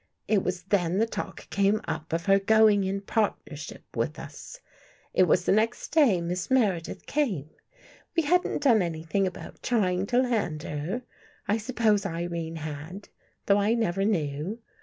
" It was then the talk came up of her going in partnership with us. It was the next day Miss Meredith came. We hadn't done anything about trying to land her. I suppose Irene had, though I never knew.